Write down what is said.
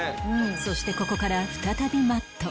そしてここから再び Ｍａｔｔ